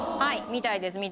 みたいです。